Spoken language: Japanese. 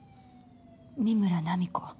三村菜実子。